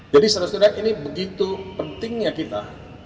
jadi seudah sudah ini begitu pentingnya kita